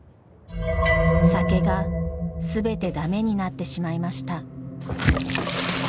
酒が全て駄目になってしまいました。